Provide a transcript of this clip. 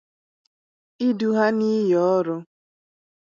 idu ha n'iyi ọrụ